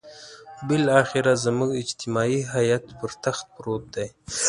بالاخره زموږ اجتماعي حيات پر تخت پروت دی.